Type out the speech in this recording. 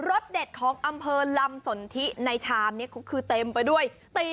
สเด็ดของอำเภอลำสนทิในชามนี้ก็คือเต็มไปด้วยตี